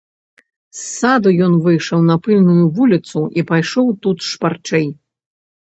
З саду ён выйшаў на пыльную вуліцу і пайшоў тут шпарчэй.